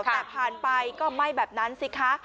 แต่ผ่านไปก็ไหม้แบบนั้นสิคะ